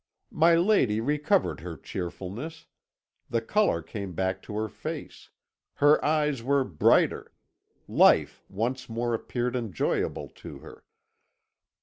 "My lady recovered her cheerfulness; the colour came back to her face; her eyes were brighter, life once more appeared enjoyable to her.